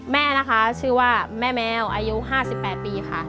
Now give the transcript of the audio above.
แม่นะคะชื่อว่าแม่แมวอายุ๕๘ปีค่ะ